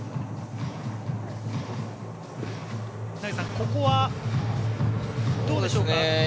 ここは、どうでしょうか。